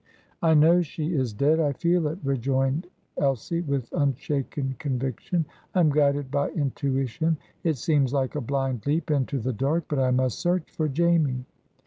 "I know she is dead I feel it," rejoined Elsie, with unshaken conviction. "I am guided by intuition. It seems like a blind leap into the dark, but I must search for Jamie."